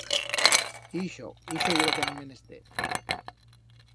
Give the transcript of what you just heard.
Ixo, ixo ye lo que han menester.